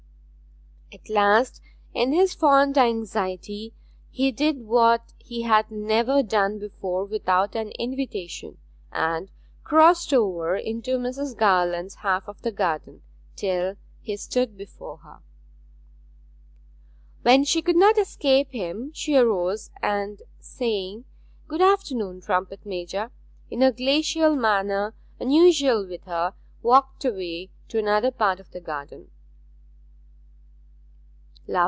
At last, in his fond anxiety, he did what he had never done before without an invitation, and crossed over into Mrs. Garland's half of the garden, till he stood before her. When she could not escape him she arose, and, saying 'Good afternoon, trumpet major,' in a glacial manner unusual with her, walked away to another part of the garden.